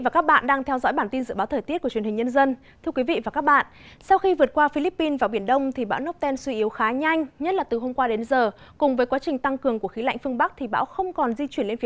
các bạn hãy đăng ký kênh để ủng hộ kênh của chúng mình nhé